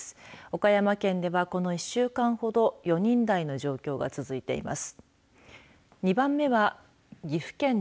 岡山県ではこの１週間ほど４人台の状況が続いています。